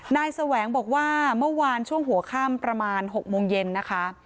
แสวงบอกว่าเมื่อวานช่วงหัวค่ำประมาณ๖โมงเย็นนะคะ